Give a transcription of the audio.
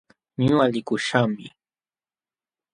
Ñuqa likuśhaqmi.